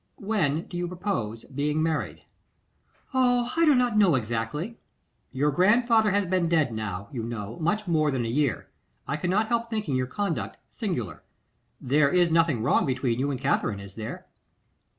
When do you propose being married?' 'Oh, I do not know exactly.' 'Your grandfather has been dead now, you know, much more than a year. I cannot help thinking your conduct singular. There is nothing wrong between you and Katherine, is there?